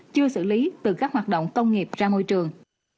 chưa xử lý từ các hoạt động công nghiệp ra môi trường